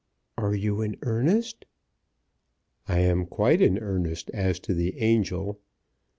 "Are you in earnest?" "I am quite in earnest as to the angel.